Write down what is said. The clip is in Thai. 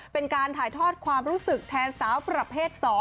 เป็นการถ่ายทอดความรู้สึกแทนสาวประเภท๒